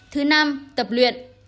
thứ năm tập luyện